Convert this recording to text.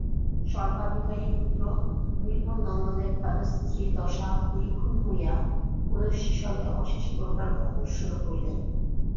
সর্বাধিকারিপুত্র নৃপনন্দনের তাদৃশী দশা নিরীক্ষণ করিয়া উপদেশচ্ছলে অশেষপ্রকার ভর্ৎসনা করিলেন।